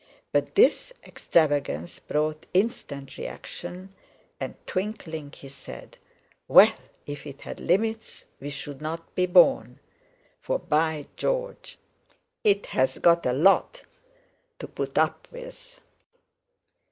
But this extravagance brought instant reaction, and, twinkling, he said: "Well, if it had limits, we shouldn't be born; for by George! it's got a lot to put up with."